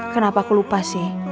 kenapa aku lupa sih